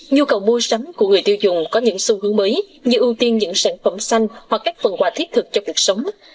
nhu cầu mua sắm của người tiêu dùng có những xu hướng mới như ưu tiên những sản phẩm xanh hoặc các phần quà thiết thực cho cuộc sống